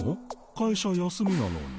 会社休みなのに。